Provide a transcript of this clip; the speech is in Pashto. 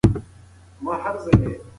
که بې احتیاطي وي درد زیاتېږي.